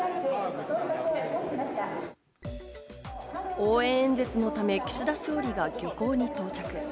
応援演説のため岸田総理が漁港に到着。